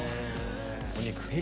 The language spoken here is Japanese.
お肉。